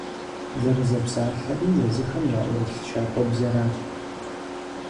Зэрызэпсалъэри езыхэм яӀурылъ щакӀуэбзэрат.